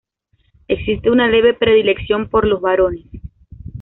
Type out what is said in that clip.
Existe una leve predilección por los varones.